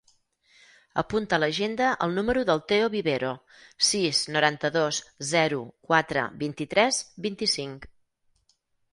Apunta a l'agenda el número del Teo Vivero: sis, noranta-dos, zero, quatre, vint-i-tres, vint-i-cinc.